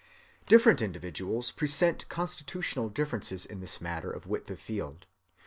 Different individuals present constitutional differences in this matter of width of field.